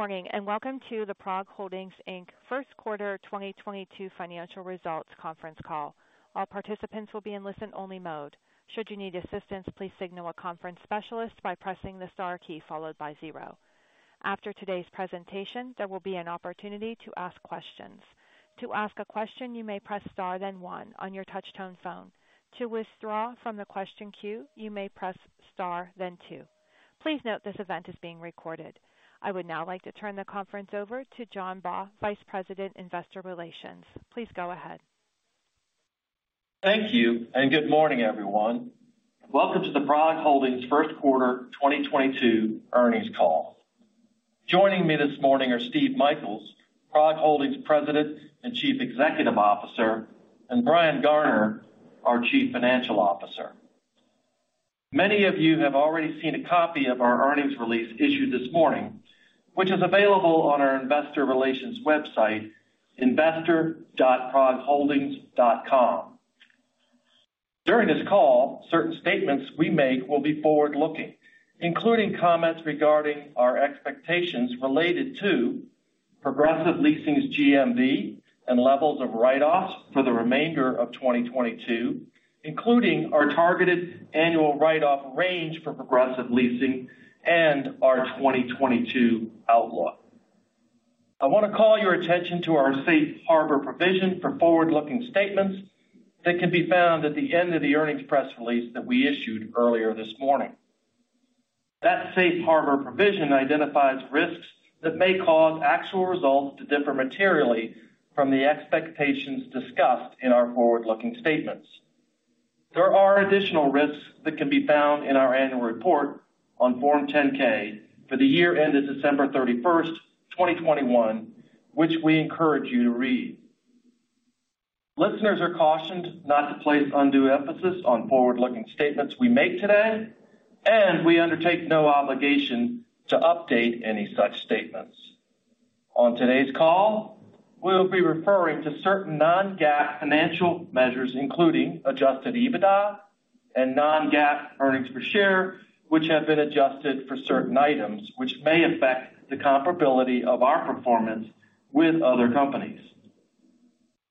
Good morning, and welcome to the PROG Holdings, Inc First Quarter 2022 Financial Results Conference Call. All participants will be in listen-only mode. Should you need assistance, please signal a conference specialist by pressing the star key followed by zero. After today's presentation, there will be an opportunity to ask questions. To ask a question, you may press star then one on your touch-tone phone. To withdraw from the question queue, you may press star then two. Please note this event is being recorded. I would now like to turn the conference over to John Baugh, Vice President, Investor Relations. Please go ahead. Thank you, and good morning, everyone. Welcome to the PROG Holdings First Quarter 2022 Earnings Call. Joining me this morning are Steven Michaels, PROG Holdings President and Chief Executive Officer, and Brian Garner, our Chief Financial Officer. Many of you have already seen a copy of our earnings release issued this morning, which is available on our investor relations website, investor.progholdings.com. During this call, certain statements we make will be forward-looking, including comments regarding our expectations related to Progressive Leasing's GMV and levels of write-offs for the remainder of 2022, including our targeted annual write-off range for Progressive Leasing and our 2022 outlook. I wanna call your attention to our safe harbor provision for forward-looking statements that can be found at the end of the earnings press release that we issued earlier this morning. That safe harbor provision identifies risks that may cause actual results to differ materially from the expectations discussed in our forward-looking statements. There are additional risks that can be found in our annual report on Form 10-K for the year ended December 31st, 2021, which we encourage you to read. Listeners are cautioned not to place undue emphasis on forward-looking statements we make today, and we undertake no obligation to update any such statements. On today's call, we'll be referring to certain non-GAAP financial measures, including adjusted EBITDA and non-GAAP earnings per share, which have been adjusted for certain items which may affect the comparability of our performance with other companies.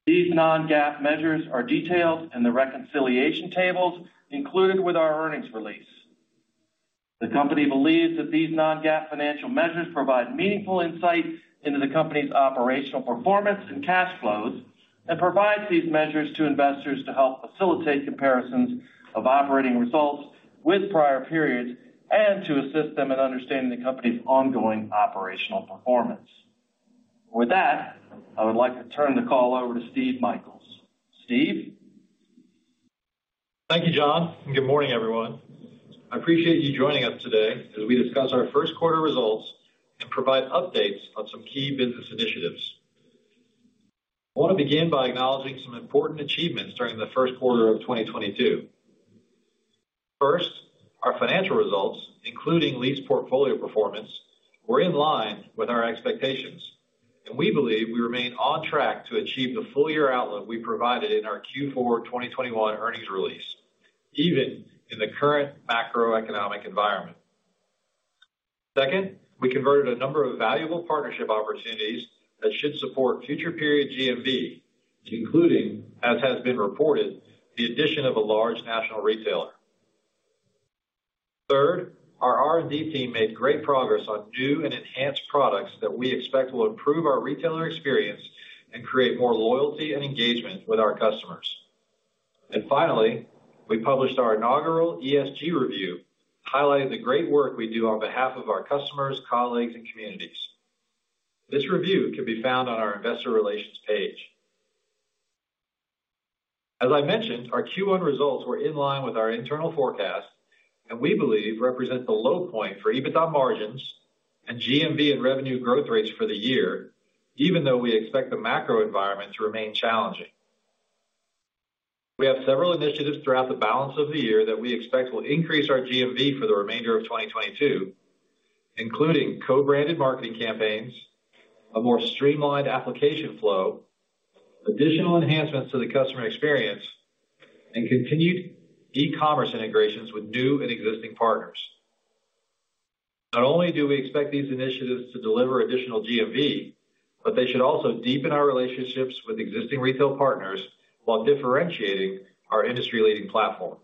These non-GAAP measures are detailed in the reconciliation tables included with our earnings release. The company believes that these non-GAAP financial measures provide meaningful insight into the company's operational performance and cash flows and provides these measures to investors to help facilitate comparisons of operating results with prior periods and to assist them in understanding the company's ongoing operational performance. With that, I would like to turn the call over to Steve Michaels. Steve? Thank you, John, and good morning, everyone. I appreciate you joining us today as we discuss our first quarter results and provide updates on some key business initiatives. I wanna begin by acknowledging some important achievements during the first quarter of 2022. First, our financial results, including lease portfolio performance, were in line with our expectations. We believe we remain on track to achieve the full-year outlook we provided in our Q4 2021 earnings release, even in the current macroeconomic environment. Second, we converted a number of valuable partnership opportunities that should support future period GMV, including, as has been reported, the addition of a large national retailer. Third, our R&D team made great progress on new and enhanced products that we expect will improve our retailer experience and create more loyalty and engagement with our customers. Finally, we published our inaugural ESG review, highlighting the great work we do on behalf of our customers, colleagues, and communities. This review can be found on our investor relations page. As I mentioned, our Q1 results were in line with our internal forecast, and we believe represent the low point for EBITDA margins and GMV and revenue growth rates for the year, even though we expect the macro environment to remain challenging. We have several initiatives throughout the balance of the year that we expect will increase our GMV for the remainder of 2022, including co-branded marketing campaigns, a more streamlined application flow, additional enhancements to the customer experience, and continued e-commerce integrations with new and existing partners. Not only do we expect these initiatives to deliver additional GMV, but they should also deepen our relationships with existing retail partners while differentiating our industry-leading platform.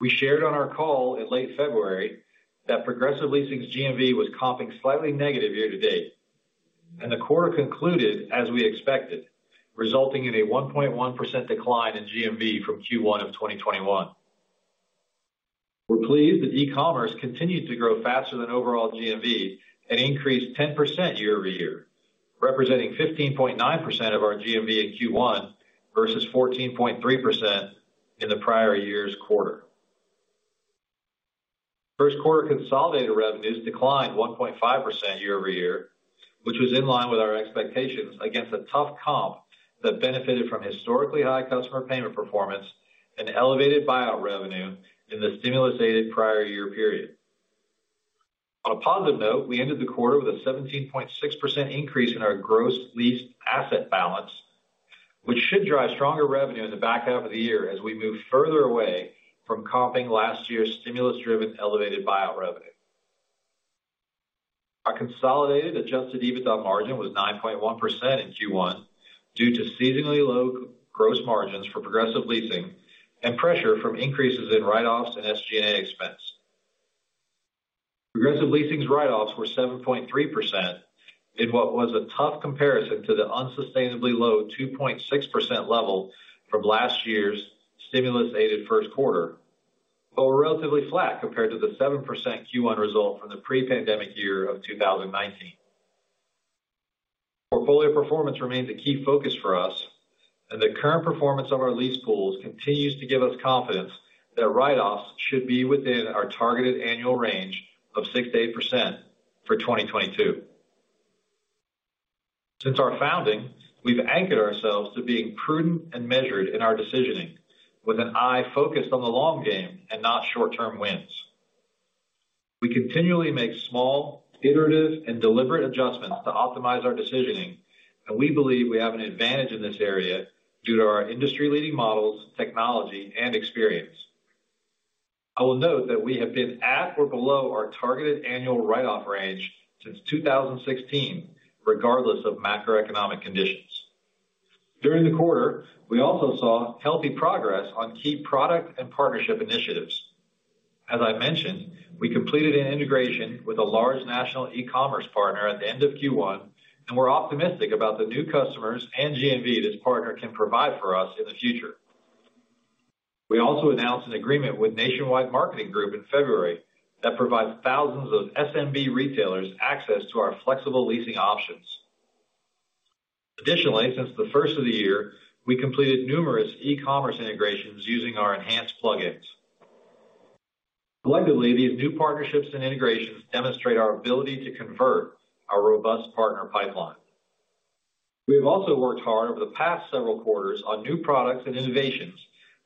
We shared on our call in late February that Progressive Leasing's GMV was comping slightly negative year to date, and the quarter concluded as we expected, resulting in a 1.1% decline in GMV from Q1 of 2021. We're pleased that e-commerce continued to grow faster than overall GMV and increased 10% year-over-year, representing 15.9% of our GMV in Q1 versus 14.3% in the prior year's quarter. First quarter consolidated revenues declined 1.5% year-over-year, which was in line with our expectations against a tough comp that benefited from historically high customer payment performance and elevated buyout revenue in the stimulus-aided prior year period. On a positive note, we ended the quarter with a 17.6% increase in our gross leased asset balance, which should drive stronger revenue in the back half of the year as we move further away from comping last year's stimulus-driven elevated buyout revenue. Our consolidated adjusted EBITDA margin was 9.1% in Q1 due to seasonally low gross margins for Progressive Leasing and pressure from increases in write-offs and SG&A expense. Progressive Leasing's write-offs were 7.3% in what was a tough comparison to the unsustainably low 2.6% level from last year's stimulus-aided first quarter, but were relatively flat compared to the 7% Q1 result from the pre-pandemic year of 2019. Portfolio performance remains a key focus for us, and the current performance of our lease pools continues to give us confidence that write-offs should be within our targeted annual range of 6%-8% for 2022. Since our founding, we've anchored ourselves to being prudent and measured in our decisioning with an eye focused on the long game and not short-term wins. We continually make small, iterative, and deliberate adjustments to optimize our decisioning, and we believe we have an advantage in this area due to our industry-leading models, technology, and experience. I will note that we have been at or below our targeted annual write-off range since 2016, regardless of macroeconomic conditions. During the quarter, we also saw healthy progress on key product and partnership initiatives. As I mentioned, we completed an integration with a large national e-commerce partner at the end of Q1, and we're optimistic about the new customers and GMV this partner can provide for us in the future. We also announced an agreement with Nationwide Marketing Group in February that provides thousands of SMB retailers access to our flexible leasing options. Additionally, since the first of the year, we completed numerous e-commerce integrations using our enhanced plugins. Collectively, these new partnerships and integrations demonstrate our ability to convert our robust partner pipeline. We have also worked hard over the past several quarters on new products and innovations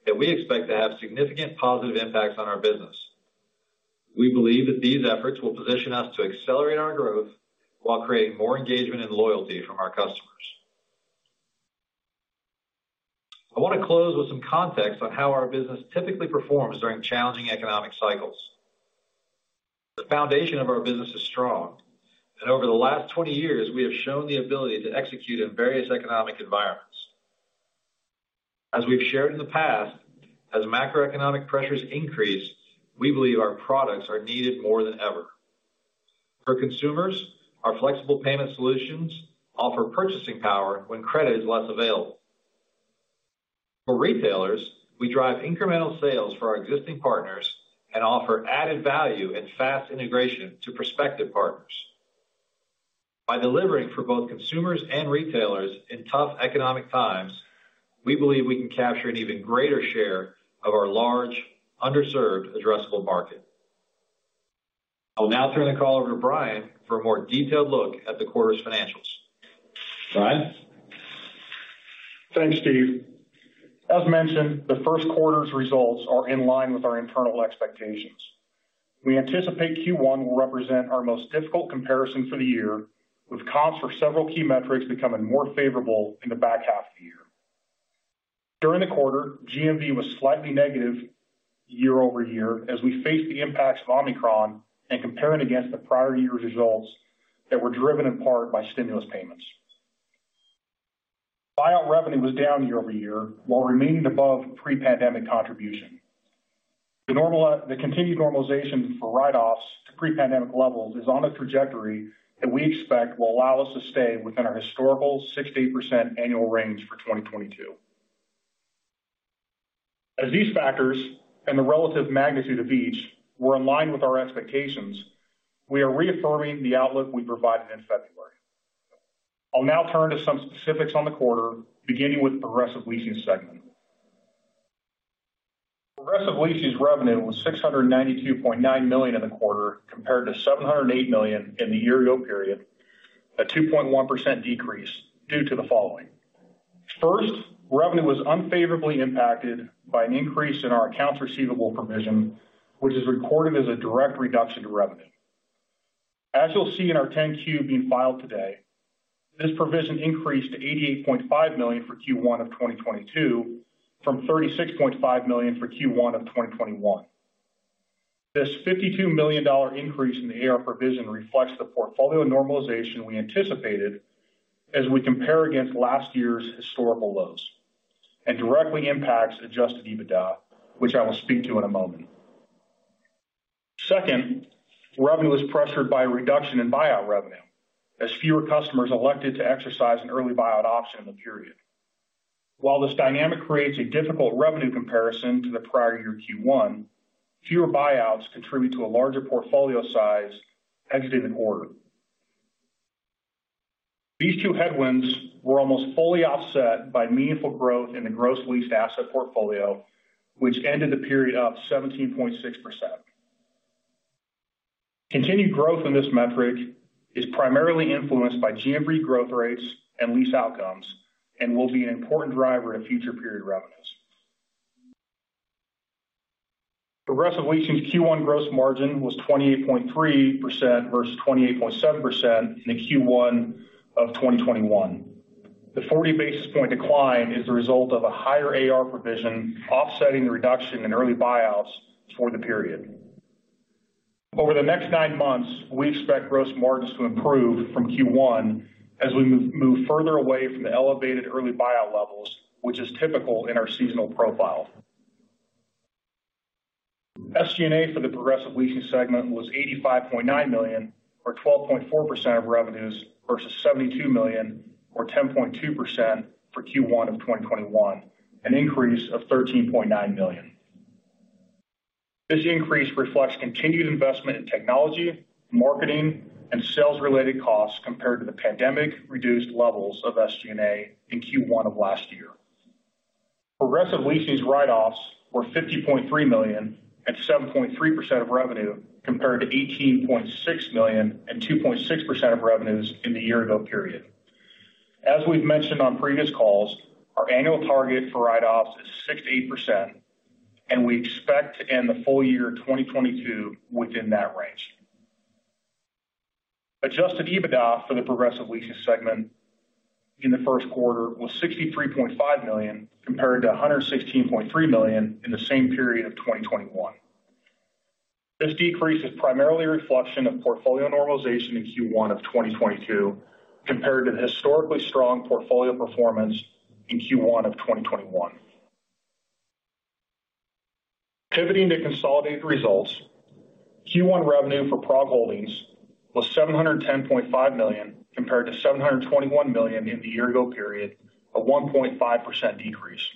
that we expect to have significant positive impacts on our business. We believe that these efforts will position us to accelerate our growth while creating more engagement and loyalty from our customers. I wanna close with some context on how our business typically performs during challenging economic cycles. The foundation of our business is strong. Over the last 20 years, we have shown the ability to execute in various economic environments. As we've shared in the past, as macroeconomic pressures increase, we believe our products are needed more than ever. For consumers, our flexible payment solutions offer purchasing power when credit is less available. For retailers, we drive incremental sales for our existing partners and offer added value and fast integration to prospective partners. By delivering for both consumers and retailers in tough economic times, we believe we can capture an even greater share of our large underserved addressable market. I will now turn the call over to Brian for a more detailed look at the quarter's financials. Brian? Thanks, Steve. As mentioned, the first quarter's results are in line with our internal expectations. We anticipate Q1 will represent our most difficult comparison for the year, with comps for several key metrics becoming more favorable in the back half of the year. During the quarter, GMV was slightly negative year-over-year as we face the impacts of Omicron and comparing against the prior year's results that were driven in part by stimulus payments. Buyout revenue was down year-over-year while remaining above pre-pandemic contribution. The continued normalization for write-offs to pre-pandemic levels is on a trajectory that we expect will allow us to stay within our historical 6%-8% annual range for 2022. As these factors and the relative magnitude of each were in line with our expectations, we are reaffirming the outlook we provided in February. I'll now turn to some specifics on the quarter, beginning with Progressive Leasing segment. Progressive Leasing's revenue was $692.9 million in the quarter, compared to $708 million in the year ago period, a 2.1% decrease due to the following. First, revenue was unfavorably impacted by an increase in our accounts receivable provision, which is recorded as a direct reduction to revenue. As you'll see in our 10-Q being filed today, this provision increased to $88.5 million for Q1 of 2022 from $36.5 million for Q1 of 2021. This $52 million increase in the AR provision reflects the portfolio normalization we anticipated as we compare against last year's historical lows and directly impacts adjusted EBITDA, which I will speak to in a moment. Second, revenue was pressured by a reduction in buyout revenue as fewer customers elected to exercise an early buyout option in the period. While this dynamic creates a difficult revenue comparison to the prior year Q1, fewer buyouts contribute to a larger portfolio size exiting the quarter. These two headwinds were almost fully offset by meaningful growth in the gross leased asset portfolio, which ended the period up 17.6%. Continued growth in this metric is primarily influenced by GMV growth rates and lease outcomes and will be an important driver in future period revenues. Progressive Leasing's Q1 gross margin was 28.3% versus 28.7% in the Q1 of 2021. The 40 basis points decline is the result of a higher AR provision offsetting the reduction in early buyouts for the period. Over the next nine months, we expect gross margins to improve from Q1 as we move further away from the elevated early buyout levels, which is typical in our seasonal profile. SG&A for the Progressive Leasing segment was $85.9 million or 12.4% of revenues versus $72 million or 10.2% for Q1 of 2021, an increase of $13.9 million. This increase reflects continued investment in technology, marketing, and sales-related costs compared to the pandemic-reduced levels of SG&A in Q1 of last year. Progressive Leasing's write-offs were $50.3 million and 7.3% of revenue, compared to $18.6 million and 2.6% of revenues in the year-ago period. As we've mentioned on previous calls, our annual target for write-offs is 6%-8%, and we expect to end the full year 2022 within that range. Adjusted EBITDA for the Progressive Leasing segment in the first quarter was $63.5 million, compared to $116.3 million in the same period of 2021. This decrease is primarily a reflection of portfolio normalization in Q1 of 2022 compared to the historically strong portfolio performance in Q1 of 2021. Pivoting to consolidated results, Q1 revenue for PROG Holdings was $710.5 million, compared to $721 million in the year-ago period, a 1.5% decrease.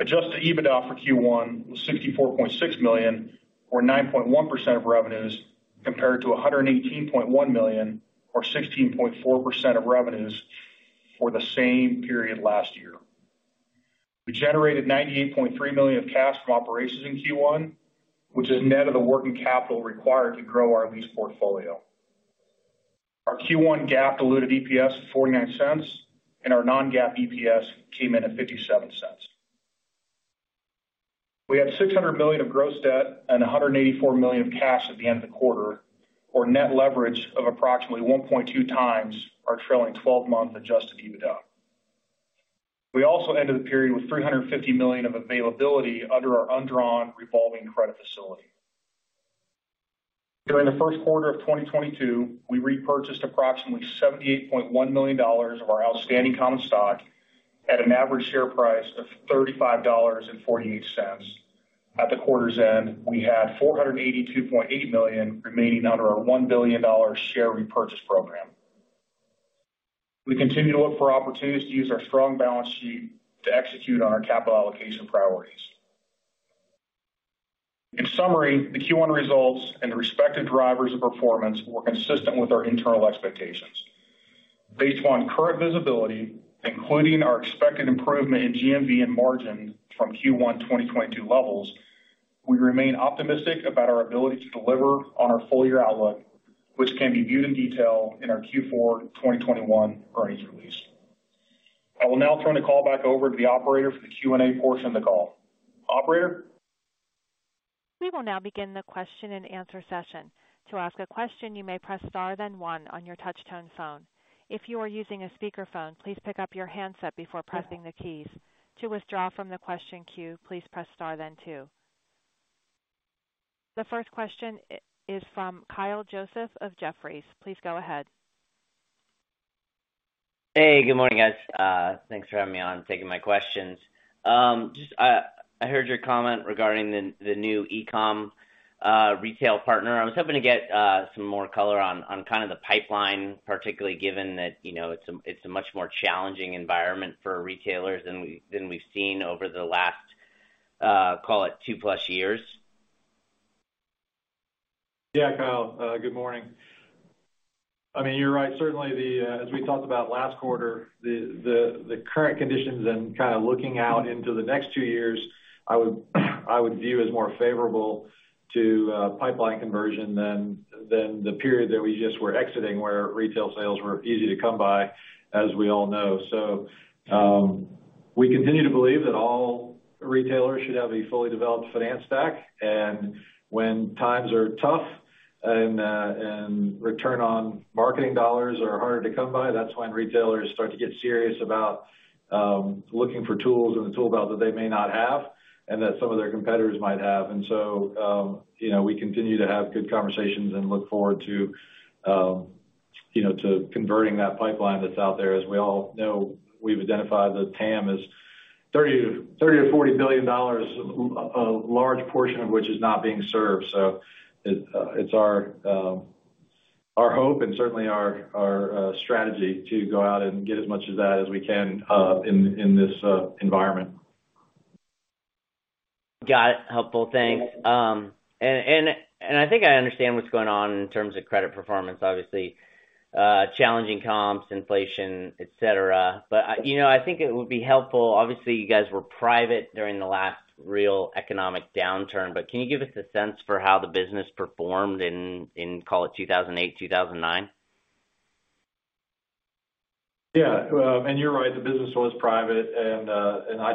Adjusted EBITDA for Q1 was $64.6 million or 9.1% of revenues, compared to $118.1 million or 16.4% of revenues for the same period last year. We generated $98.3 million of cash from operations in Q1, which is net of the working capital required to grow our lease portfolio. Our Q1 GAAP diluted EPS of $0.49 and our non-GAAP EPS came in at $0.57. We had $600 million of gross debt and $184 million of cash at the end of the quarter, or net leverage of approximately 1.2x our trailing twelve-month adjusted EBITDA. We also ended the period with $350 million of availability under our undrawn revolving credit facility. During the first quarter of 2022, we repurchased approximately $78.1 million of our outstanding common stock at an average share price of $35.48. At the quarter's end, we had $482.8 million remaining under our $1 billion share repurchase program. We continue to look for opportunities to use our strong balance sheet to execute on our capital allocation priorities. In summary, the Q1 results and the respective drivers of performance were consistent with our internal expectations. Based on current visibility, including our expected improvement in GMV and margin from Q1 2022 levels, we remain optimistic about our ability to deliver on our full-year outlook, which can be viewed in detail in our Q4 2021 earnings release. I will now turn the call back over to the operator for the Q&A portion of the call. Operator? We will now begin the question-and-answer session. To ask a question, you may press star then one on your touch-tone phone. If you are using a speakerphone, please pick up your handset before pressing the keys. To withdraw from the question queue, please press star then two. The first question is from Kyle Joseph of Jefferies. Please go ahead. Hey, good morning, guys. Thanks for having me on, taking my questions. Just, I heard your comment regarding the new e-com retail partner. I was hoping to get some more color on kind of the pipeline, particularly given that, you know, it's a much more challenging environment for retailers than we've seen over the last, call it two-plus years. Yeah. Kyle, good morning. I mean, you're right. Certainly, as we talked about last quarter, the current conditions and kinda looking out into the next two years, I would view as more favorable to pipeline conversion than the period that we just were exiting, where retail sales were easy to come by, as we all know. We continue to believe that all retailers should have a fully developed finance stack. When times are tough and return on marketing dollars are harder to come by, that's when retailers start to get serious about looking for tools in the tool belt that they may not have and that some of their competitors might have. And so, you know, we continue to have good conversations and look forward to, you know, to converting that pipeline that's out there. As we all know, we've identified the TAM as $30 billion-$40 billion, a large portion of which is not being served. It's our strategy to go out and get as much of that as we can in this environment. Got it. Helpful. Thanks. I think I understand what's going on in terms of credit performance, obviously, challenging comps, inflation, et cetera. You know, I think it would be helpful. Obviously, you guys were private during the last real economic downturn, but can you give us a sense for how the business performed in call it, 2008, 2009? Yeah. You're right, the business was private and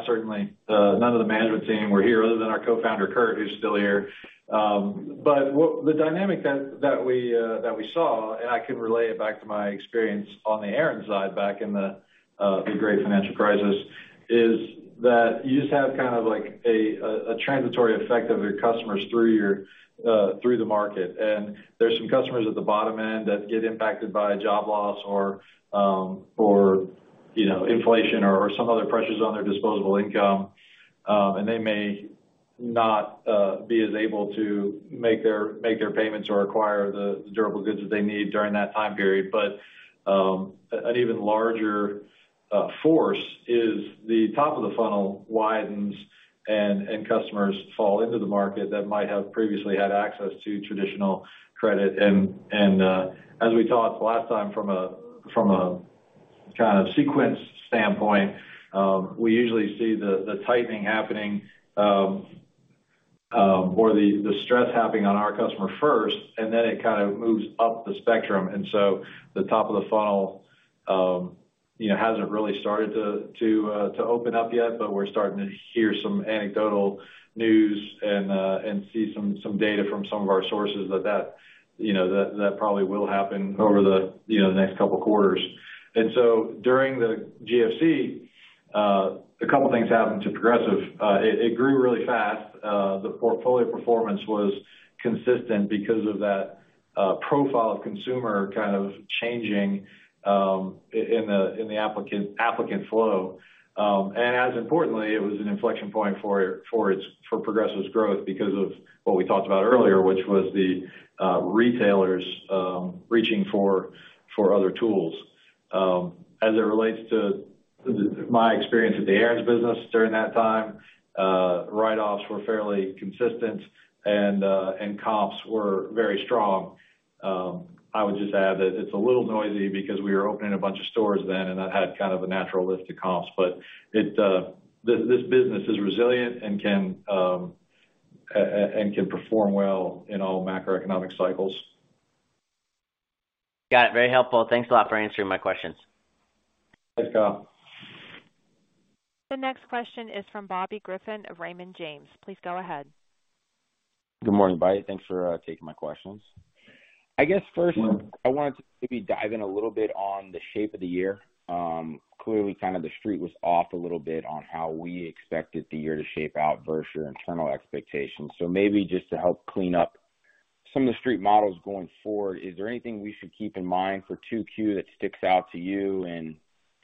certainly none of the management team were here other than our co-founder, Kurt, who's still here. The dynamic that we saw and I can relate it back to my experience on the side back in the Great Financial Crisis is that you just have kind of like a transitory effect on your customers through the market. There's some customers at the bottom end that get impacted by a job loss or, you know, inflation or some other pressures on their disposable income. They may not be as able to make their payments or acquire the durable goods that they need during that time period. An even larger force is the top of the funnel widens and customers fall into the market that might have previously had access to traditional credit. As we talked last time from a kind of sequence standpoint, we usually see the tightening happening or the stress happening on our customer first, and then it kind of moves up the spectrum. The top of the funnel you know hasn't really started to open up yet, but we're starting to hear some anecdotal news and see some data from some of our sources that you know that probably will happen over the you know next couple quarters. During the GFC, a couple things happened to Progressive. It grew really fast. The portfolio performance was consistent because of that profile of consumer kind of changing in the applicant flow. As importantly, it was an inflection point for Progressive's growth because of what we talked about earlier, which was the retailers reaching for other tools. As it relates to my experience at the Aaron's business during that time, write-offs were fairly consistent and comps were very strong. I would just add that it's a little noisy because we were opening a bunch of stores then, and that had kind of a natural lift to comps. This business is resilient and can perform well in all macroeconomic cycles. Got it. Very helpful. Thanks a lot for answering my questions. Thanks, Kyle. The next question is from Bobby Griffin of Raymond James. Please go ahead. Good morning, everybody. Thanks for taking my questions. I guess first I wanted to maybe dive in a little bit on the shape of the year. Clearly kind of the street was off a little bit on how we expected the year to shape out versus your internal expectations. Maybe just to help clean up some of the street models going forward, is there anything we should keep in mind for 2Q that sticks out to you and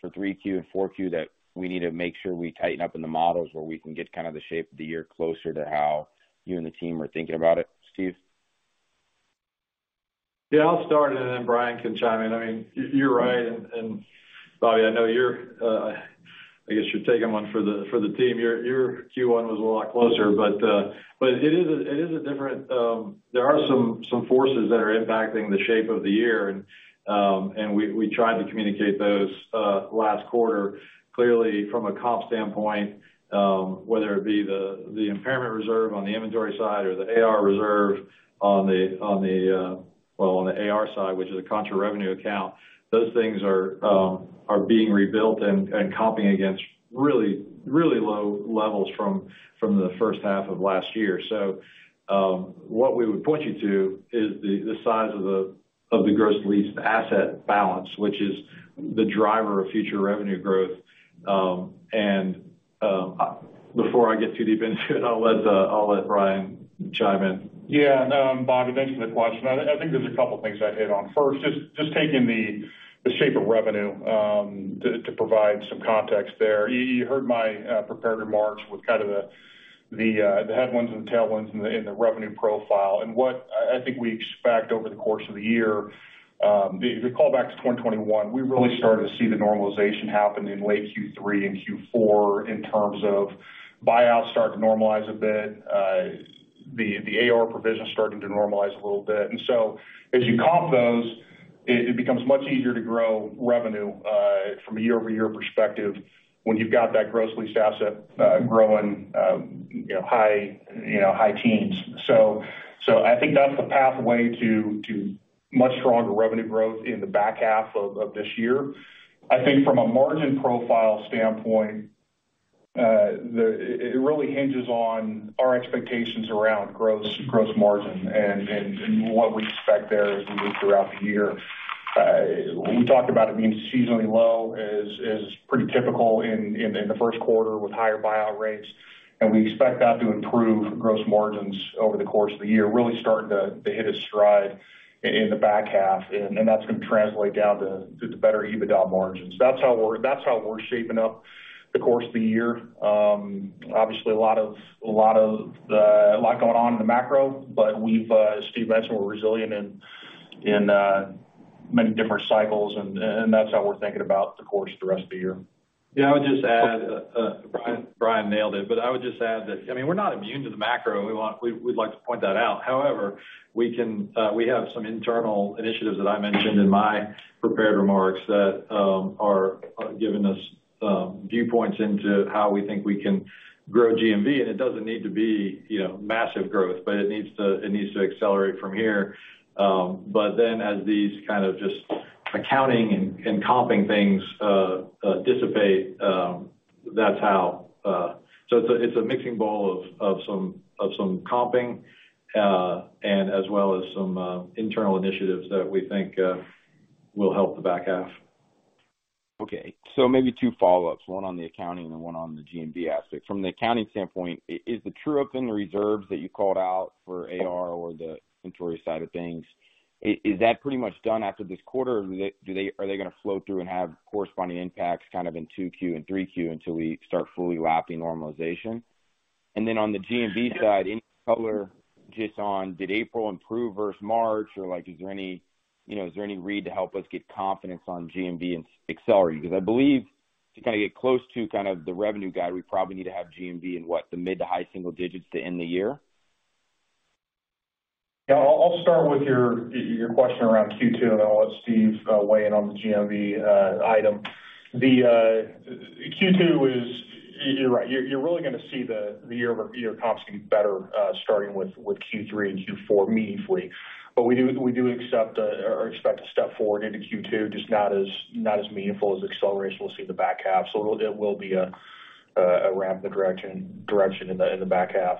for 3Q and 4Q that we need to make sure we tighten up in the models where we can get kind of the shape of the year closer to how you and the team are thinking about it, Steve? Yeah, I'll start, and then Brian can chime in. I mean, you're right. Bobby, I know you're taking one for the team. Your Q1 was a lot closer. It is a different. There are some forces that are impacting the shape of the year. We tried to communicate those last quarter. Clearly from a comp standpoint, whether it be the impairment reserve on the inventory side or the AR reserve on the AR side, which is a contra revenue account, those things are being rebuilt and comping against really low levels from the first half of last year. What we would point you to is the size of the gross leased asset balance, which is the driver of future revenue growth. Before I get too deep into it, I'll let Brian chime in. Yeah. No, Bobby, thanks for the question. I think there's a couple things I'd hit on. First, just taking the shape of revenue to provide some context there. You heard my prepared remarks with kind of the headwinds and tailwinds in the revenue profile. What I think we expect over the course of the year, if you call back to 2021, we really started to see the normalization happen in late Q3 and Q4 in terms of buyouts start to normalize a bit, the AR provision starting to normalize a little bit. So as you comp those, it becomes much easier to grow revenue from a year-over-year perspective when you've got that gross lease asset growing, you know, high teens. I think that's the pathway to much stronger revenue growth in the back half of this year. I think from a margin profile standpoint, it really hinges on our expectations around gross margin and what we expect there as we move throughout the year. We talked about it being seasonally low, is pretty typical in the first quarter with higher buyout rates, and we expect that to improve gross margins over the course of the year, really starting to hit its stride in the back half. That's gonna translate down to the better EBITDA margins. That's how we're shaping up the course of the year. Obviously a lot going on in the macro, but we've, as Steve mentioned, we're resilient in many different cycles and that's how we're thinking about the course of the rest of the year. Yeah. I would just add, Brian nailed it, but I would just add that, I mean, we're not immune to the macro. We'd like to point that out. However, we have some internal initiatives that I mentioned in my prepared remarks that are giving us viewpoints into how we think we can grow GMV. It doesn't need to be, you know, massive growth, but it needs to accelerate from here. Then as these kind of just accounting and comping things dissipate, it's a mixing bowl of some comping and as well as some internal initiatives that we think will help the back half. Okay. Maybe two follow-ups, one on the accounting and one on the GMV aspect. From the accounting standpoint, is the true-up in the reserves that you called out for AR or the inventory side of things, is that pretty much done after this quarter? Are they gonna flow through and have corresponding impacts kind of in 2Q and 3Q until we start fully lapping normalization? On the GMV side, any color just on did April improve versus March or, like, is there any, you know, is there any read to help us get confidence on GMV and acceleration? Because I believe to kind of get close to kind of the revenue guide, we probably need to have GMV in what? The mid to high single digits to end the year. Yeah. I'll start with your question around Q2, and then I'll let Steve weigh in on the GMV item. Q2 is. You're right. You're really gonna see the year-over-year comps get better starting with Q3 and Q4 meaningfully. We do expect to step forward into Q2, just not as meaningful as acceleration we'll see in the back half. It will be a ramp in the direction in the back half.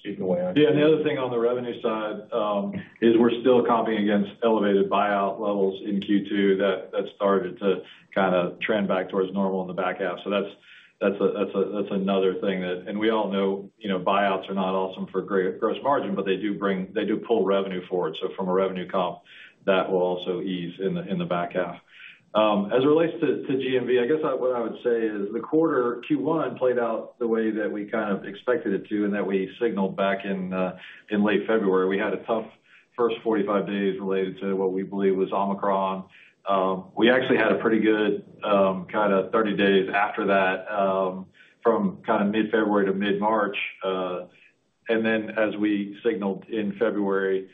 Steve can weigh in. Yeah. The other thing on the revenue side is we're still comping against elevated buyout levels in Q2 that started to kind of trend back towards normal in the back half. That's another thing that. We all know, you know, buyouts are not awesome for gross margin, but they do pull revenue forward. From a revenue comp, that will also ease in the back half. As it relates to GMV, I guess what I would say is the quarter Q1 played out the way that we kind of expected it to and that we signaled back in late February. We had a tough first 45 days related to what we believe was Omicron. We actually had a pretty good kind of 30 days after that from kind of mid-February to mid-March. As we signaled in February,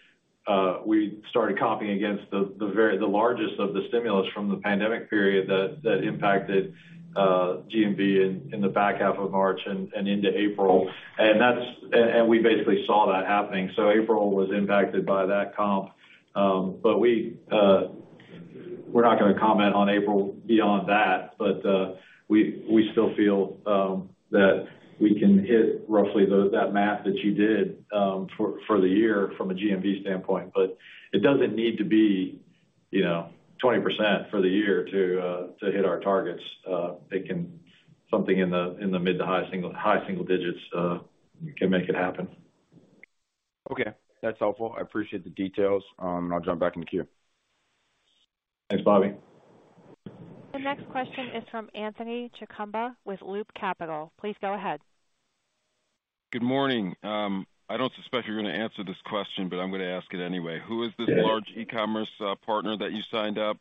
we started comping against the largest of the stimulus from the pandemic period that impacted GMV in the back half of March and into April. We basically saw that happening. April was impacted by that comp. We're not gonna comment on April beyond that, but we still feel that we can hit roughly that math that you did for the year from a GMV standpoint. It doesn't need to be, you know, 20% for the year to hit our targets. It can something in the mid to high single digits can make it happen. Okay, that's helpful. I appreciate the details. I'll jump back in the queue. Thanks, Bobby. The next question is from Anthony Chukumba with Loop Capital. Please go ahead. Good morning. I don't suspect you're gonna answer this question, but I'm gonna ask it anyway. Who is this large e-commerce partner that you signed up?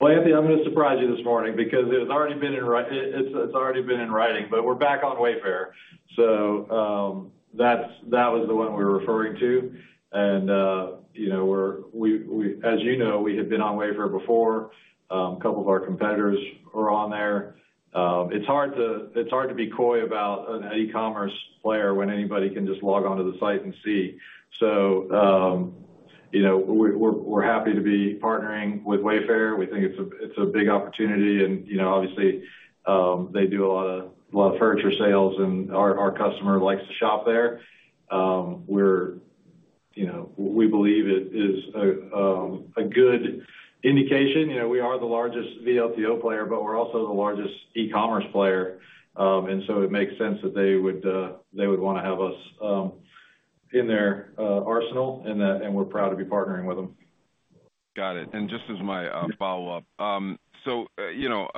Anthony, I'm gonna surprise you this morning because it's already been in writing, but we're back on Wayfair. That's the one we were referring to. You know, we had been on Wayfair before. A couple of our competitors are on there. It's hard to be coy about an e-commerce player when anybody can just log onto the site and see. You know, we're happy to be partnering with Wayfair. We think it's a big opportunity and, you know, obviously, they do a lot of furniture sales and our customer likes to shop there. You know, we believe it is a good indication. You know, we are the largest LTO player, but we're also the largest e-commerce player. It makes sense that they would wanna have us in their arsenal and we're proud to be partnering with them. Got it. Just as my follow-up, you know,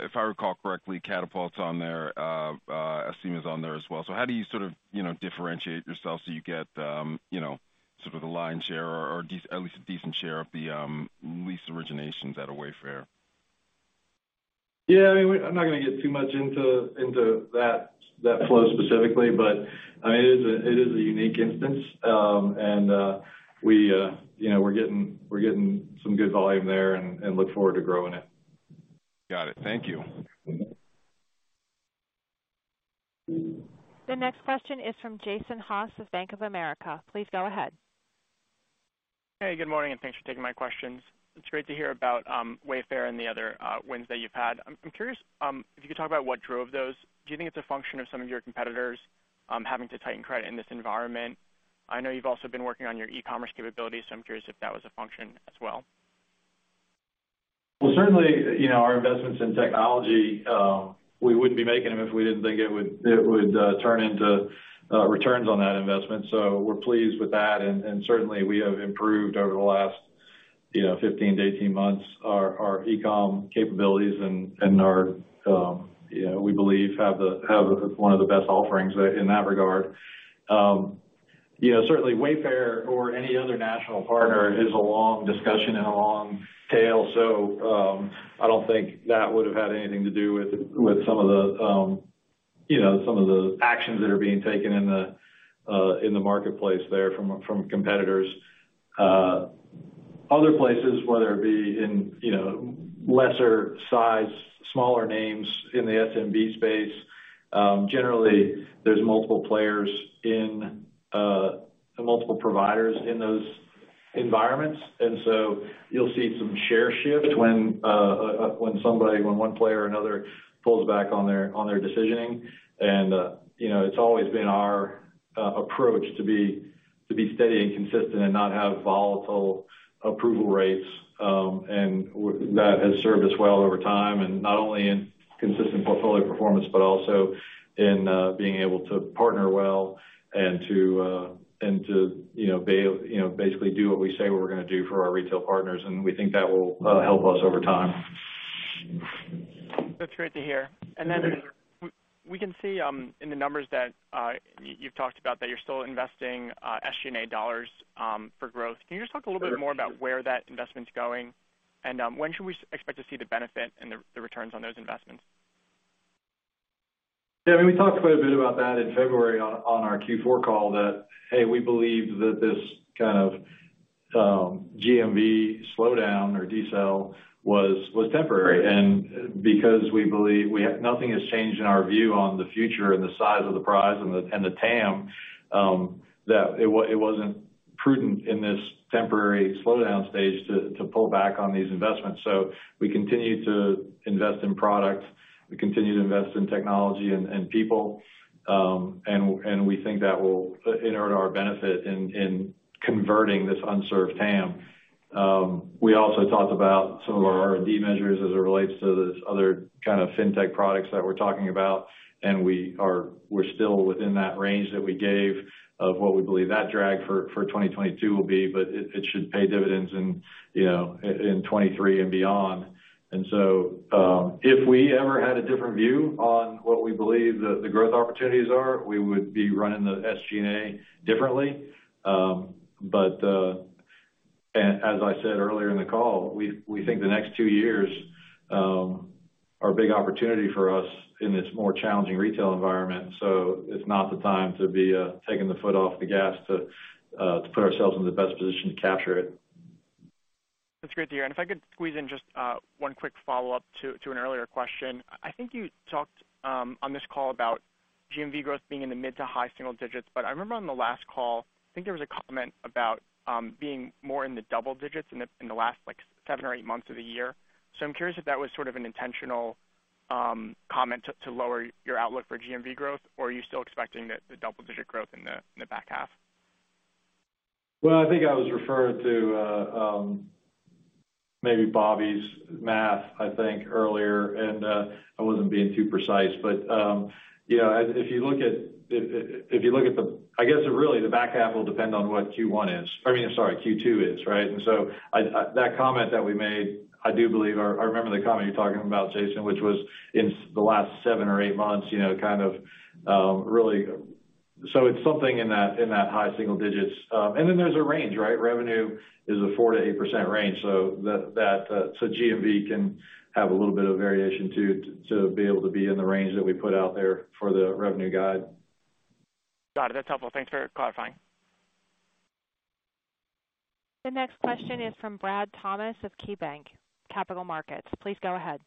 if I recall correctly, Katapult's on there, Acima's on there as well. How do you sort of, you know, differentiate yourself so you get, sort of the lion's share or at least a decent share of the lease originations out of Wayfair? Yeah. I mean, I'm not gonna get too much into that flow specifically, but I mean, it is a unique instance. You know, we're getting some good volume there and look forward to growing it. Got it. Thank you. The next question is from Jason Haas with Bank of America. Please go ahead. Hey, good morning, and thanks for taking my questions. It's great to hear about Wayfair and the other wins that you've had. I'm curious if you could talk about what drove those. Do you think it's a function of some of your competitors having to tighten credit in this environment? I know you've also been working on your e-commerce capabilities, so I'm curious if that was a function as well. Well, certainly, you know, our investments in technology, we wouldn't be making them if we didn't think it would turn into returns on that investment. We're pleased with that. Certainly we have improved over the last, you know, 15-18 months our e-com capabilities and our, you know, we believe have one of the best offerings in that regard. You know, certainly Wayfair or any other national partner is a long discussion and a long tail. I don't think that would have had anything to do with some of the actions that are being taken in the marketplace there from competitors. Other places, whether it be in, you know, lesser size, smaller names in the SMB space, generally, there's multiple players in, multiple providers in those environments. You'll see some share shifts when one player or another pulls back on their decisioning. You know, it's always been our approach to be steady and consistent and not have volatile approval rates. That has served us well over time, and not only in consistent portfolio performance, but also in being able to partner well and to you know basically do what we say we're gonna do for our retail partners. We think that will help us over time. That's great to hear. We can see in the numbers that you've talked about that you're still investing SG&A dollars for growth. Can you just talk a little bit more about where that investment's going? When should we expect to see the benefit and the returns on those investments? Yeah, I mean, we talked quite a bit about that in February on our Q4 call that, hey, we believe that this kind of GMV slowdown or decel was temporary. Because we believe nothing has changed in our view on the future and the size of the prize and the TAM, it wasn't prudent in this temporary slowdown stage to pull back on these investments. We continue to invest in product, we continue to invest in technology and people. We think that will inure to our benefit in converting this unserved TAM. We also talked about some of our R&D measures as it relates to this other kind of fintech products that we're talking about, and we're still within that range that we gave of what we believe that drag for 2022 will be. It should pay dividends in, you know, in 2023 and beyond. If we ever had a different view on what we believe the growth opportunities are, we would be running the SG&A differently. But as I said earlier in the call, we think the next two years are a big opportunity for us in this more challenging retail environment. It's not the time to be taking the foot off the gas to put ourselves in the best position to capture it. That's great to hear. If I could squeeze in just one quick follow-up to an earlier question. I think you talked on this call about GMV growth being in the mid to high single digits. I remember on the last call, I think there was a comment about being more in the double digits in the last, like, seven or eight months of the year. I'm curious if that was sort of an intentional comment to lower your outlook for GMV growth, or are you still expecting the double-digit growth in the back half? Well, I think I was referring to maybe Bobby's math, I think, earlier. I wasn't being too precise, but yeah, if you look at, I guess really the back half will depend on what Q1 is. I mean, sorry, Q2 is, right? That comment that we made, I do believe or I remember the comment you're talking about, Jason, which was in the last seven or eight months, you know, kind of really. It's something in that high single digits. There's a range, right? Revenue is a 4%-8% range. GMV can have a little bit of variation to be able to be in the range that we put out there for the revenue guide. Got it. That's helpful. Thanks for clarifying. The next question is from Brad Thomas of KeyBanc Capital Markets. Please go ahead.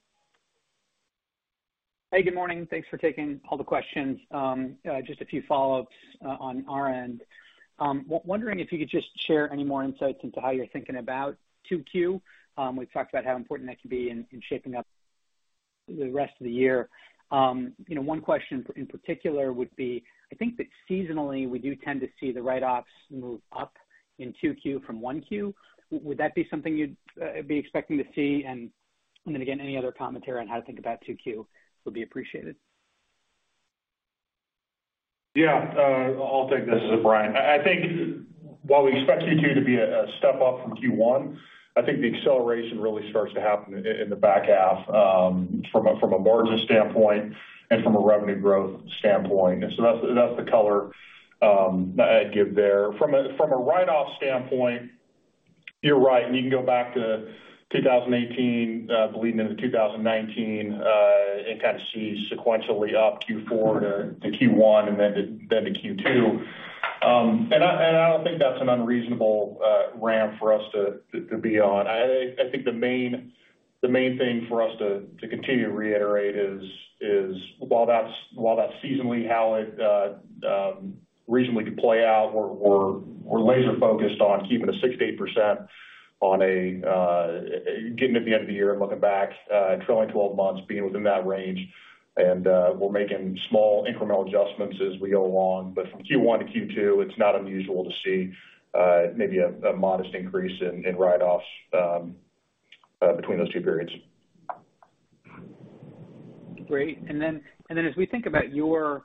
Hey, good morning. Thanks for taking all the questions. Just a few follow-ups on our end. Wondering if you could just share any more insights into how you're thinking about 2Q. We've talked about how important that can be in shaping up the rest of the year. You know, one question in particular would be, I think that seasonally, we do tend to see the write-offs move up in 2Q from 1Q. Would that be something you'd be expecting to see? Again, any other commentary on how to think about 2Q would be appreciated. Yeah. I'll take this. This is Brian. I think while we expect 2Q to be a step up from Q1, I think the acceleration really starts to happen in the back half, from a margin standpoint and from a revenue growth standpoint. That's the color I'd give there. From a write-off standpoint, you're right. You can go back to 2018, bleeding into 2019, and kind of see sequentially up Q4 to Q1 and then to Q2. I don't think that's an unreasonable ramp for us to be on. I think the main thing for us to continue to reiterate is while that's seasonally how it reasonably could play out. We're laser focused on keeping 6%-8% on getting to the end of the year and looking back trailing twelve months, being within that range. We're making small incremental adjustments as we go along. From Q1 to Q2, it's not unusual to see maybe a modest increase in write-offs between those two periods. Great. As we think about your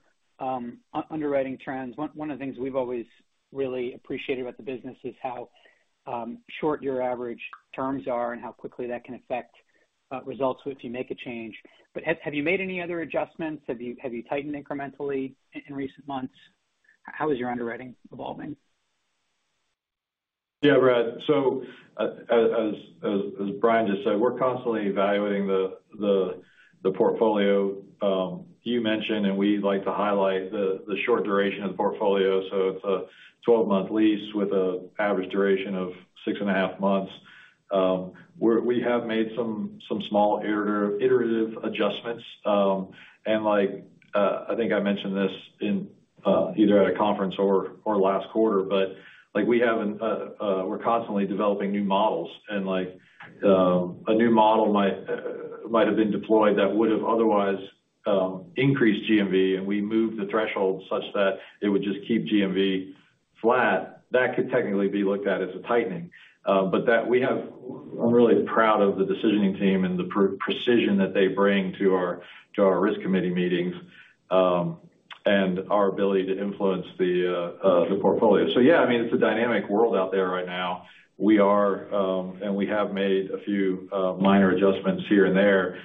underwriting trends, one of the things we've always really appreciated about the business is how short your average terms are and how quickly that can affect results if you make a change. But have you made any other adjustments? Have you tightened incrementally in recent months? How is your underwriting evolving? Yeah, Brad. As Brian just said, we're constantly evaluating the portfolio. You mentioned, and we like to highlight the short duration of the portfolio. It's a 12-month lease with an average duration of 6.5 months. We have made some small iterative adjustments. Like, I think I mentioned this, either at a conference or last quarter. Like we haven't. We're constantly developing new models, and like, a new model might have been deployed that would have otherwise increased GMV, and we moved the threshold such that it would just keep GMV flat. That could technically be looked at as a tightening. I'm really proud of the decisioning team and the precision that they bring to our risk committee meetings, and our ability to influence the portfolio. Yeah, I mean, it's a dynamic world out there right now. We are and we have made a few minor adjustments here and there.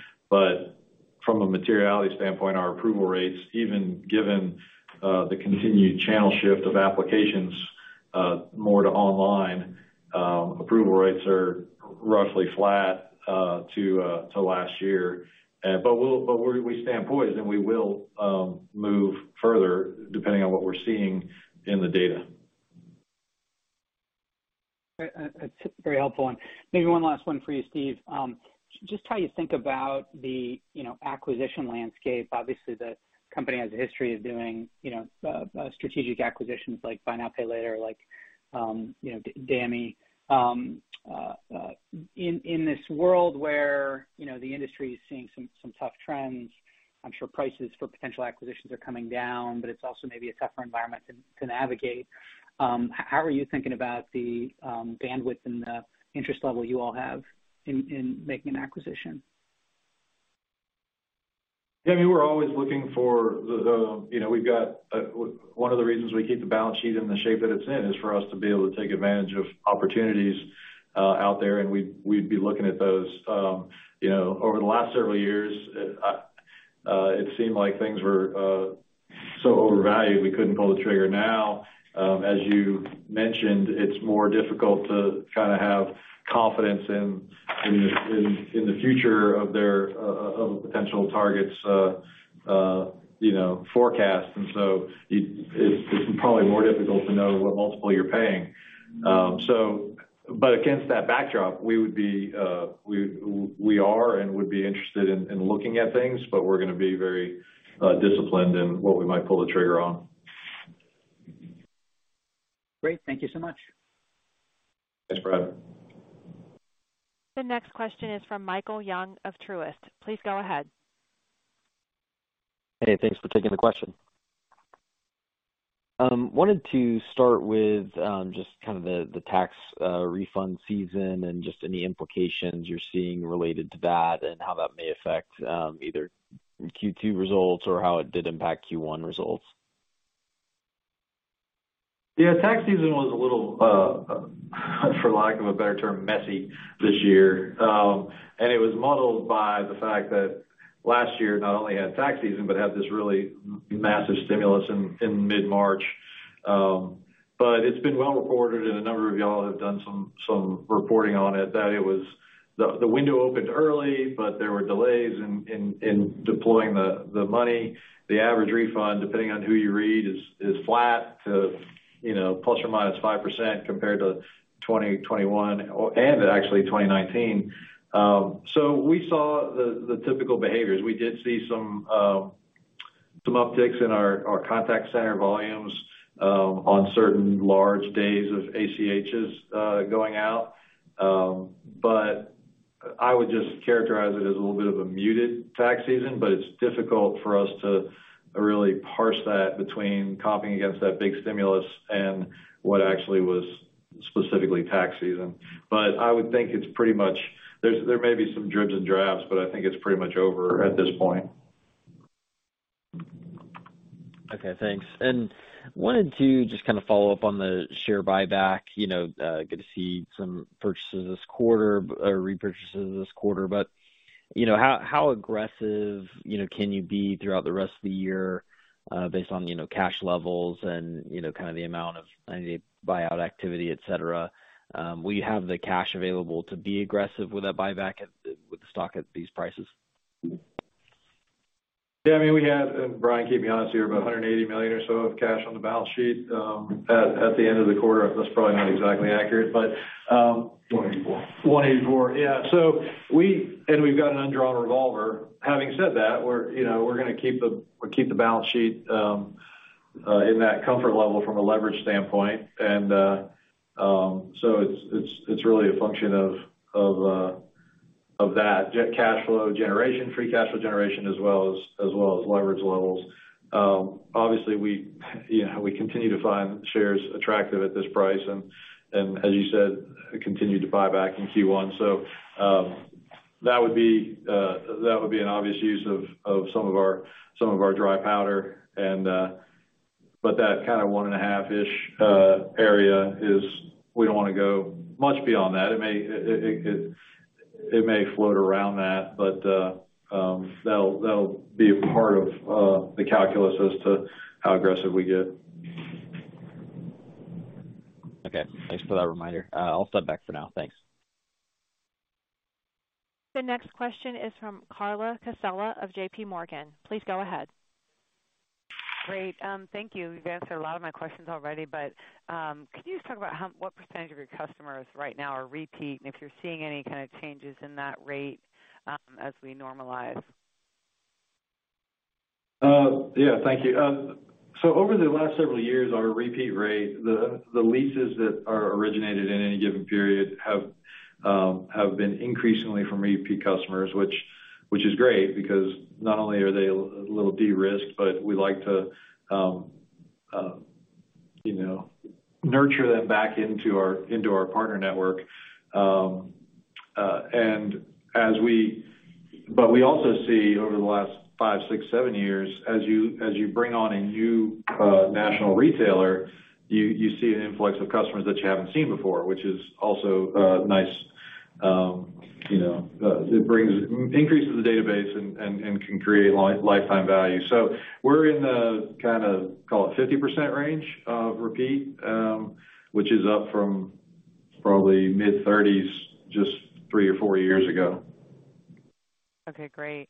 From a materiality standpoint, our approval rates, even given the continued channel shift of applications more to online, approval rates are roughly flat to last year. We stand poised, and we will move further depending on what we're seeing in the data. It's very helpful. Maybe one last one for you, Steve. Just how you think about the, you know, acquisition landscape. Obviously, the company has a history of doing, you know, strategic acquisitions like buy now, pay later, like, you know, [Dani]. In this world where, you know, the industry is seeing some tough trends, I'm sure prices for potential acquisitions are coming down, but it's also maybe a tougher environment to navigate. How are you thinking about the bandwidth and the interest level you all have in making an acquisition? Yeah. I mean, we're always looking. You know, we've got one of the reasons we keep the balance sheet in the shape that it's in is for us to be able to take advantage of opportunities out there, and we'd be looking at those. You know, over the last several years, it seemed like things were so overvalued we couldn't pull the trigger. Now, as you mentioned, it's more difficult to kinda have confidence in the future of their potential targets' forecast. It's probably more difficult to know what multiple you're paying. Against that backdrop, we are and would be interested in looking at things, but we're gonna be very disciplined in what we might pull the trigger on. Great. Thank you so much. Thanks, Brad. The next question is from Michael Young of Truist. Please go ahead. Hey, thanks for taking the question. Wanted to start with just kind of the tax refund season and just any implications you're seeing related to that and how that may affect either Q2 results or how it did impact Q1 results. Yeah, tax season was a little, for lack of a better term, messy this year. It was muddled by the fact that last year not only had tax season, but had this really massive stimulus in mid-March. It's been well reported, and a number of y'all have done some reporting on it, that it was the window opened early, but there were delays in deploying the money. The average refund, depending on who you read, is flat to, you know, plus or minus 5% compared to 2021 or and actually 2019. We saw the typical behaviors. We did see some upticks in our contact center volumes on certain large days of ACHs going out. I would just characterize it as a little bit of a muted tax season, but it's difficult for us to really parse that between comping against that big stimulus and what actually was specifically tax season. There may be some dribs and drabs, but I think it's pretty much over at this point. Okay, thanks. Wanted to just kind of follow up on the share buyback. You know, good to see some purchases this quarter or repurchases this quarter. You know, how aggressive can you be throughout the rest of the year based on cash levels and kind of the amount of any buyout activity, et cetera? Will you have the cash available to be aggressive with that buyback with the stock at these prices? Yeah. I mean, we have, and Brian, keep me honest here, about $180 million or so of cash on the balance sheet, at the end of the quarter. That's probably not exactly accurate, but. 184. 184. Yeah. We've got an undrawn revolver. Having said that, we're, you know, gonna keep the balance sheet in that comfort level from a leverage standpoint. It's really a function of that net cash flow generation, free cash flow generation as well as leverage levels. Obviously, we, you know, continue to find shares attractive at this price and as you said, continue to buy back in Q1. That would be an obvious use of some of our dry powder. That kind of 1.5-ish area is we don't wanna go much beyond that. It may float around that, but that'll be a part of the calculus as to how aggressive we get. Okay. Thanks for that reminder. I'll step back for now. Thanks. The next question is from Carla Casella of JPMorgan. Please go ahead. Great. Thank you. You've answered a lot of my questions already. Could you just talk about what percentage of your customers right now are repeat, and if you're seeing any kind of changes in that rate, as we normalize? Yeah, thank you. Over the last several years, our repeat rate, the leases that are originated in any given period have been increasingly from repeat customers, which is great because not only are they a little de-risked, but we like to, you know, nurture them back into our partner network. We also see over the last five, six, seven years, as you bring on a new national retailer, you see an influx of customers that you haven't seen before, which is also nice. You know, it increases the database and can create lifetime value. We're in the kind of, call it 50% range of repeat, which is up from probably mid-30s just 3 or 4 years ago. Okay, great.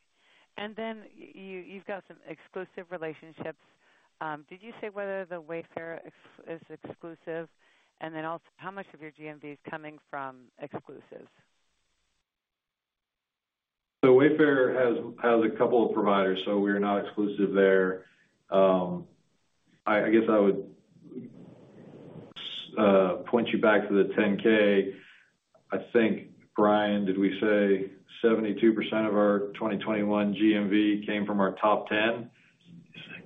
You've got some exclusive relationships. Did you say whether the Wayfair is exclusive? How much of your GMV is coming from exclusives? Wayfair has a couple of providers, we are not exclusive there. I guess I would point you back to the 10-K. I think, Brian, did we say 72% of our 2021 GMV came from our top ten?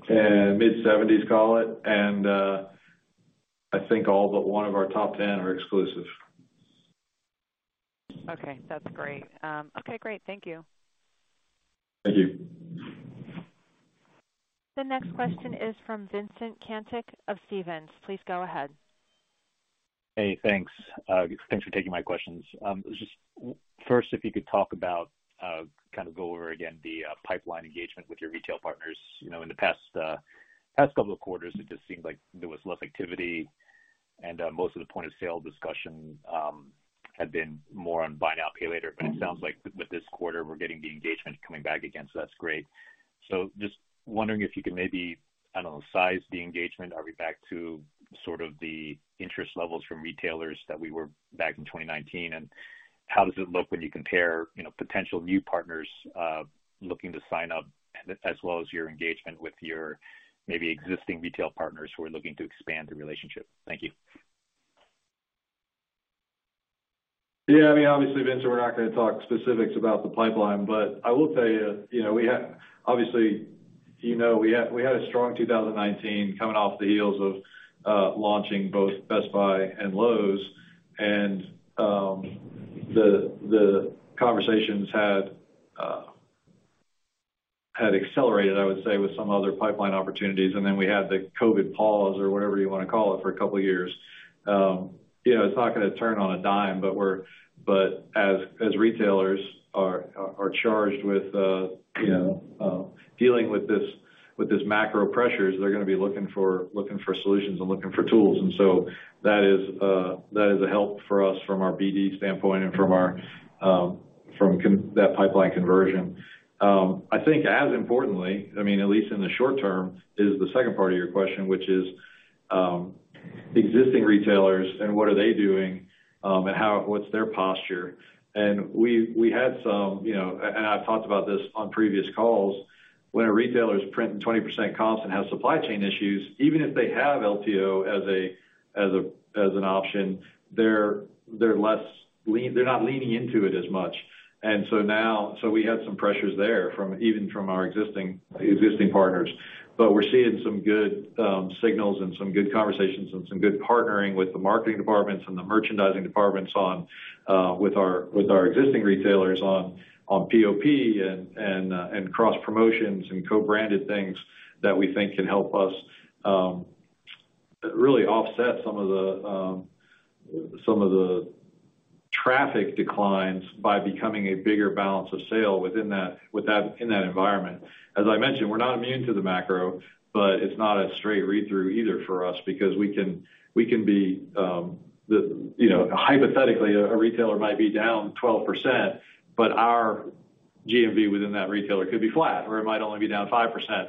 76%. Mid-70s, call it. I think all but one of our top 10 are exclusive. Okay. That's great. Okay, great. Thank you. Thank you. The next question is from Vincent Caintic of Stephens. Please go ahead. Hey, thanks. Thanks for taking my questions. Just first, if you could talk about, kind of go over again the pipeline engagement with your retail partners. You know, in the past couple of quarters, it just seemed like there was less activity and most of the point-of-sale discussion had been more on buy now, pay later. It sounds like with this quarter, we're getting the engagement coming back again, so that's great. Just wondering if you could maybe, I don't know, size the engagement. Are we back to sort of the interest levels from retailers that we were back in 2019? And how does it look when you compare, you know, potential new partners looking to sign up, as well as your engagement with your maybe existing retail partners who are looking to expand the relationship? Thank you. Yeah. I mean, obviously, Vincent, we're not gonna talk specifics about the pipeline. But I will tell you know, we had a strong 2019 coming off the heels of launching both Best Buy and Lowe's. The conversations had accelerated, I would say, with some other pipeline opportunities. Then we had the COVID pause or whatever you wanna call it for a couple of years. You know, it's not gonna turn on a dime, but as retailers are charged with dealing with this, with these macro pressures, they're gonna be looking for solutions and looking for tools. That is a help for us from our BD standpoint and from that pipeline conversion. I think as importantly, I mean, at least in the short term, is the second part of your question, which is, existing retailers and what are they doing, and what's their posture. We had some, you know, and I've talked about this on previous calls, when a retailer's printing 20% cost and has supply chain issues, even if they have LTO as an option, they're not leaning into it as much. We had some pressures there from even our existing partners. We're seeing some good signals and some good conversations and some good partnering with the marketing departments and the merchandising departments on with our existing retailers on POP and cross promotions and co-branded things that we think can help us really offset some of the traffic declines by becoming a bigger balance of sale within that environment. As I mentioned, we're not immune to the macro, but it's not a straight read-through either for us because we can be the solution. You know, hypothetically, a retailer might be down 12%, but our GMV within that retailer could be flat or it might only be down 5%.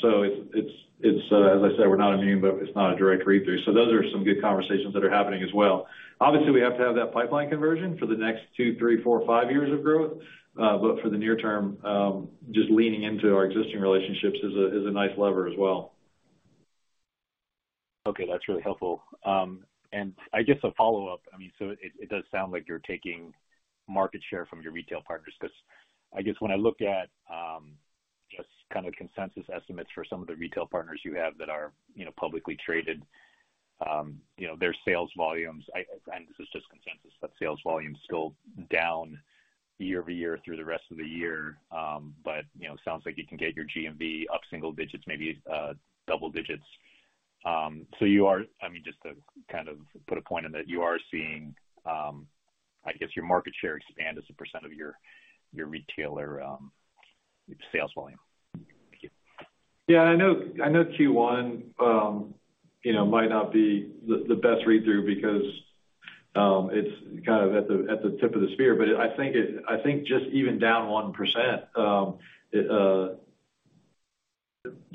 So it's, as I said, we're not immune, but it's not a direct read-through. Those are some good conversations that are happening as well. Obviously, we have to have that pipeline conversion for the next two, three, four, five years of growth. For the near term, just leaning into our existing relationships is a nice lever as well. Okay. That's really helpful. I guess a follow-up. I mean, it does sound like you're taking market share from your retail partners because I guess when I look at just kind of consensus estimates for some of the retail partners you have that are, you know, publicly traded, you know, their sales volumes, and this is just consensus, but sales volumes still down year-over-year through the rest of the year. You know, sounds like you can get your GMV up single digits, maybe double digits. I mean, just to kind of put a point on that, you are seeing I guess your market share expand as a percent of your retailer sales volume. Thank you. Yeah, I know, I know Q1, you know, might not be the best read-through because it's kind of at the tip of the spear. I think just even down 1%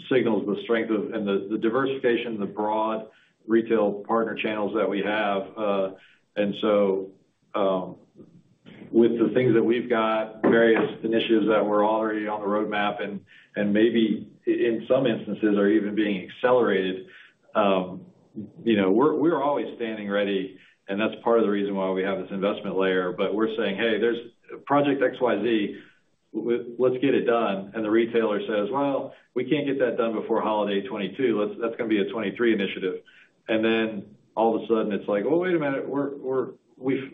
signals the strength of and the diversification, the broad retail partner channels that we have. With the things that we've got, various initiatives that were already on the roadmap and maybe in some instances are even being accelerated, you know, we're always standing ready, and that's part of the reason why we have this investment layer. We're saying, "Hey, there's project XYZ. Let's get it done." The retailer says, "Well, we can't get that done before holiday 2022. That's gonna be a 2023 initiative." Then all of a sudden it's like, "Well, wait a minute. We're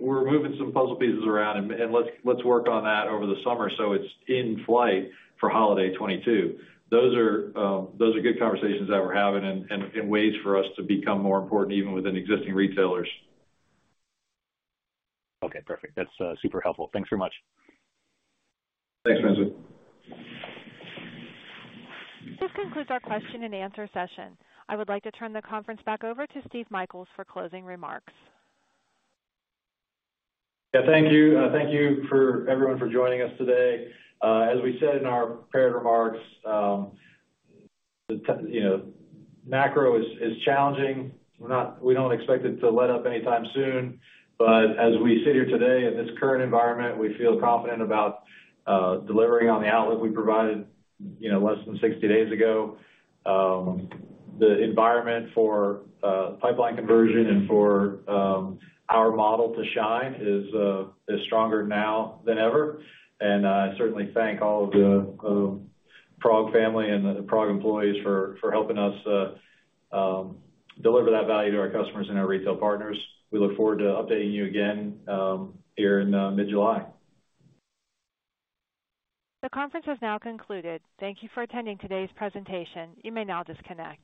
moving some puzzle pieces around and let's work on that over the summer so it's in flight for holiday 2022." Those are good conversations that we're having and ways for us to become more important even within existing retailers. Okay, perfect. That's super helpful. Thanks so much. Thanks, Vincent. This concludes our question-and-answer session. I would like to turn the conference back over to Steve Michaels for closing remarks. Yeah, thank you. Thank you to everyone for joining us today. As we said in our prepared remarks, the macro is challenging. We don't expect it to let up anytime soon. As we sit here today in this current environment, we feel confident about delivering on the outlook we provided, you know, less than 60 days ago. The environment for pipeline conversion and for our model to shine is stronger now than ever. I certainly thank all of the PROG family and the PROG employees for helping us deliver that value to our customers and our retail partners. We look forward to updating you again here in mid-July. The conference has now concluded. Thank you for attending today's presentation. You may now disconnect.